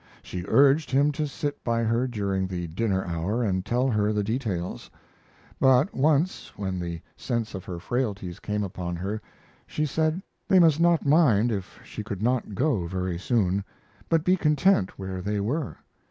She urged him to sit by her during the dinner hour and tell her the details; but once, when the sense of her frailties came upon her, she said they must not mind if she could not go very soon, but be content where they were.